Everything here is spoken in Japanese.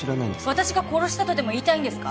私が殺したとでも言いたいんですか？